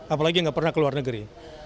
apalagi yang tidak pernah keluar negeri